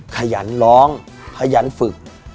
ขยันร้องขยันฝึก